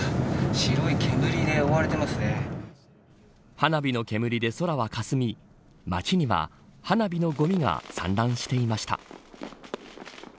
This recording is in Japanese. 花火の煙で空はかすみ街には花火のごみが散乱していました。